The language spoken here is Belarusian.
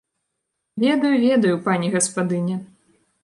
Ведаю, ведаю, пані гаспадыня!